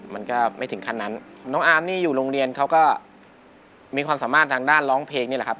มันก็ไม่ถึงขั้นนั้นน้องอาร์มนี่อยู่โรงเรียนเขาก็มีความสามารถทางด้านร้องเพลงนี่แหละครับ